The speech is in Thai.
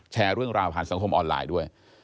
แชร์เรื่องราวผ่านสังคมออนไลน์ด้วย